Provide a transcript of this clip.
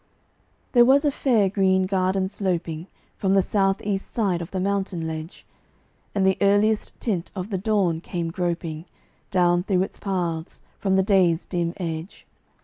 There was a fair green garden sloping From the south east side of the mountain ledge; And the earliest tint of the dawn came groping Down through its paths, from the day's dim edge.